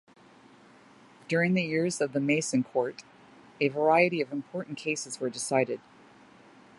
During the years of the "Mason Court", a variety of important cases were decided.